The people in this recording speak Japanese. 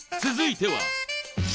続いては。